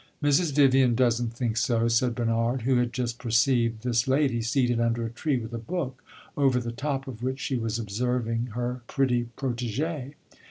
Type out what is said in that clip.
"Mrs. Vivian does n't think so," said Bernard, who had just perceived this lady, seated under a tree with a book, over the top of which she was observing her pretty protege.